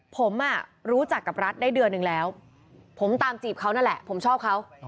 ผมรู้จักกับรัฐได้เดือนหนึ่งแล้วผมตามจีบเขานั่นแหละผมชอบเขา